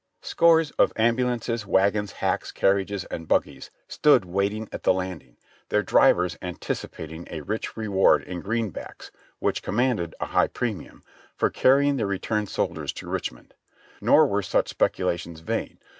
Scores of ambulances, wagons, hacks, carriages and buggies stood waiting at the landing, their drivers anticipating a rich re ward in greenbacks (which commanded a high premium), for carrying the returned prisoners to Richmond. Nor were such speculations vain.